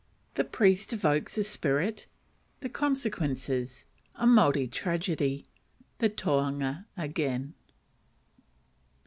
The Priest evokes a Spirit. The Consequences. A Maori Tragedy. The "Tohunga" again.